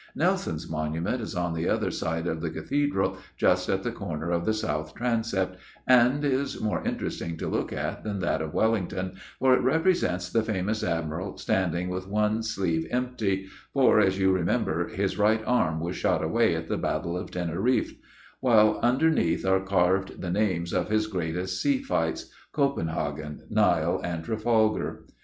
Nelson's monument is on the other side of the Cathedral, just at the corner of the south transept, and is more interesting to look at than that of Wellington, for it represents the famous Admiral standing with one sleeve empty for, as you remember, his right arm was shot away at the Battle of Teneriffe while underneath are carved the names of his greatest sea fights, Copenhagen, Nile, and Trafalgar.